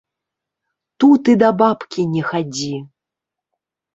Тут і да бабкі не хадзі.